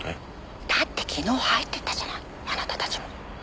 だって昨日入ってったじゃないあなたたちも。